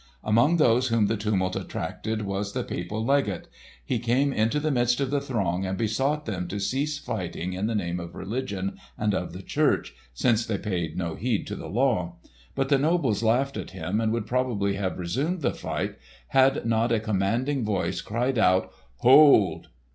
Among those whom the tumult attracted was the Papal Legate. He came into the midst of the throng and besought them to cease fighting in the name of religion and of the church, since they paid no heed to the law. But the nobles laughed at him, and would probably have resumed the fight, had not a commanding voice cried out, "Hold!"